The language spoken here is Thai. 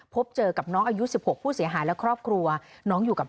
พบเจอกับน้องอายุ๑๖ผู้เสียหายและครอบครัวน้องอยู่กับ